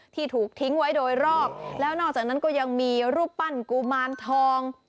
ถูกทิ้งไว้โดยรอบแล้วนอกจากนั้นก็ยังมีรูปปั้นกุมารทอง